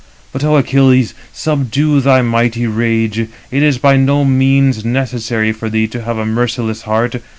But O Achilles, subdue thy mighty rage; it is by no means necessary for thee to have a merciless heart.